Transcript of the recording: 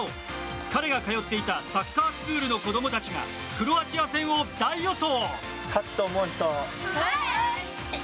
彼が通っていたサッカースクールの子供たちがクロアチア戦を大予想！